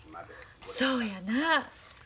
そうやな。